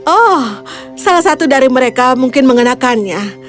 oh salah satu dari mereka mungkin mengenakannya